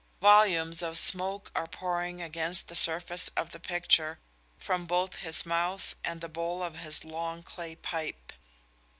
Volumes of smoke are pouring against the surface of the picture from both his mouth and the bowl of his long clay pipe.